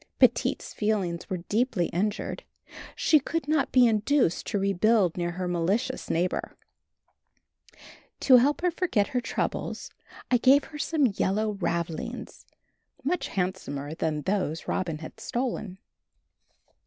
Petite's feelings were deeply injured she could not be induced to rebuild near her malicious neighbor. To help her forget her troubles I gave her some yellow ravelings, much handsomer than those Robin had stolen.